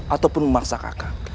ataupun memaksa kakang